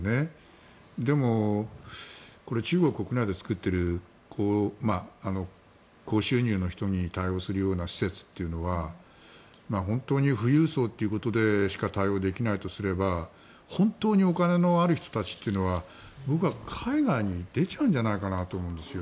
でも、中国国内で作っている高収入の人に対応するような施設というのは本当に富裕層ということでしか対応できないとすれば本当にお金のある人たちというのは僕は海外に出ちゃうんじゃないかなと思うんですよ。